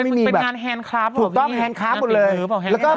เป็นงานแฮนด์คลาฟบอกอย่างนี้นักปิดมือบอกแฮนด์คลาฟ